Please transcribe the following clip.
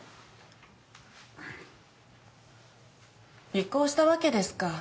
尾行したわけですか？